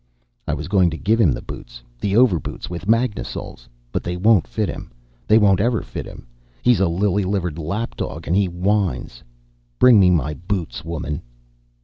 "I was going to give him the boots the over boots with magnasoles. But they won't fit him. They won't ever fit him. He's a lily livered lap dog, and he whines. Bring me my boots, woman."